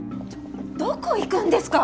どこ行くんですか？